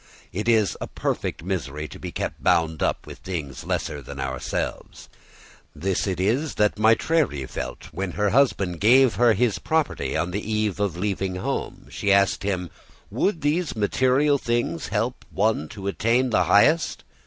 It is a perfect misery to be kept bound up with things lesser than ourselves. This it is that Maitreyī felt when her husband gave her his property on the eve of leaving home. She asked him, "Would these material things help one to attain the highest?"